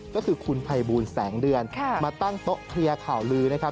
ก็คือคุณภัยบูลแสงเดือนมาตั้งโต๊ะเคลียร์ข่าวลือนะครับ